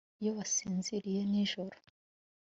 iyo wasinziriye nijoro